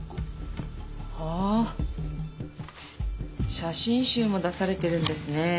写真集も出されてるんですね。